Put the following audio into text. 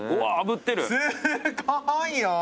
すごいよ！